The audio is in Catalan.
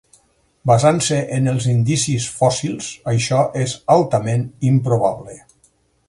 Basant-se en els indicis fòssils, això és altament improbable.